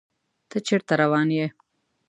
ته چیرته روان یې؟